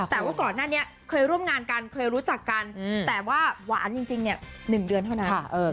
แต่ว่าก่อนหน้านี้เคยร่วมงานกันเคยรู้จักกันแต่ว่าหวานจริง๑เดือนเท่านั้น